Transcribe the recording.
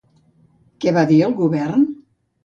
Què va dir el govern?